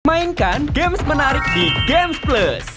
mainkan games menarik di gamesplus